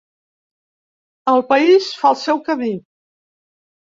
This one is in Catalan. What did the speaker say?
El país fa el seu camí.